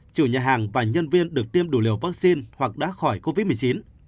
chủ nhà hàng và nhân viên được tiêm đủ liều vaccine hoặc đã khỏi covid một mươi chín